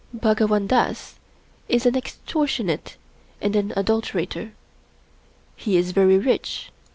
Bhagwan Dass is an extortionate and an adul terator. He is very rich.